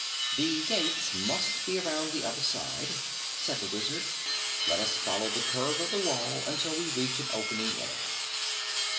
"The gates must be around the other side," said the Wizard. "Let us follow the curve of the wall until we reach an opening in it."